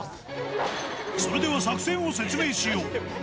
それでは作戦を説明しよう。